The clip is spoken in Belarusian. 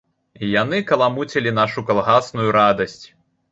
Яны каламуцілі нашу калгасную радасць.